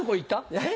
えっ？